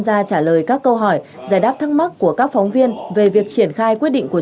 ra trả lời các câu hỏi giải đáp thắc mắc của các phóng viên về việc triển khai quyết định của